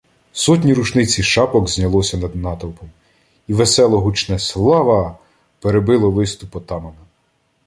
Сотні рушниць і шапок знялося над натовпом, і весело-гучне "Слава!" перебило виступ отамана.